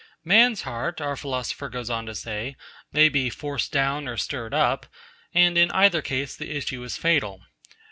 Man's heart, our philosopher goes on to say, may be 'forced down or stirred up,' and in either case the issue is fatal.